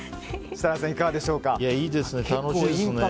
設楽さん、いかがでしょうか。